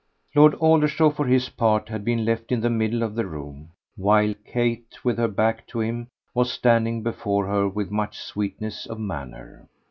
Lord Aldershaw, for his part, had been left in the middle of the room, while Kate, with her back to him, was standing before her with much sweetness of manner.